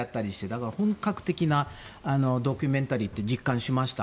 だから本格的なドキュメンタリーって実感しました。